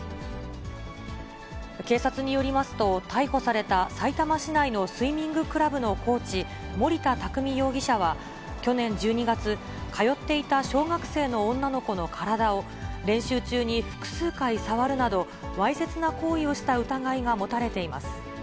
警察によりますと、逮捕されたさいたま市内のスイミングクラブのコーチ、森田匠容疑者は去年１２月、通っていた小学生の女の子の体を、練習中に複数回触るなど、わいせつな行為をした疑いが持たれています。